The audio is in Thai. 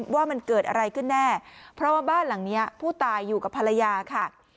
ว่ามันเกิดอะไรขึ้นแน่เพราะว่าบ้านหลังนี้ผู้ตายอยู่กับภรรยาค่ะ